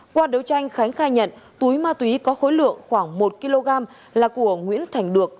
qua đấu tranh khánh khai nhận túi ma túy có khối lượng khoảng một kg là của nguyễn thành được